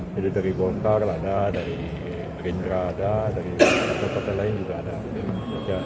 jadi dari volkar ada dari rindra ada dari partai partai lain juga ada